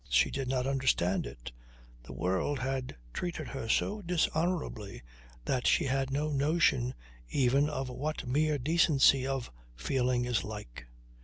She did not understand it. The world had treated her so dishonourably that she had no notion even of what mere decency of feeling is like.